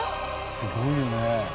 すごいよね。